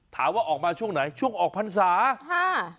ถามว่าออกมาช่วงไหนช่วงออกพันธุ์ศาสตร์